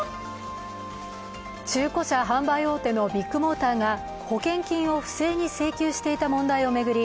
中古車販売大手のビッグモーターが保険金を不正に請求していた問題を巡り